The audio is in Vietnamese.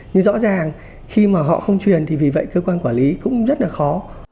nhưng rõ ràng khi mà họ không truyền thì vì vậy cơ quan quản lý cũng rất là khó